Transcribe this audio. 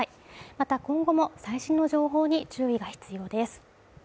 また今後も最新の情報に注意が必要です。